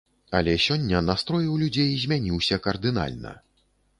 Але сёння настрой у людзей змяніўся кардынальна.